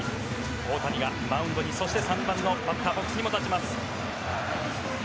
大谷がマウンドにそして３番のバッターボックスにも立ちます。